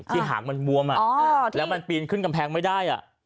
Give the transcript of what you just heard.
หางมันบวมแล้วมันปีนขึ้นกำแพงไม่ได้